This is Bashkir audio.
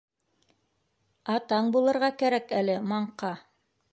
Атаң булырға кәрәк әле, маңҡа!